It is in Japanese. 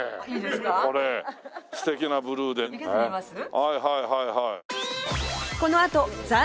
はいはいはいはい。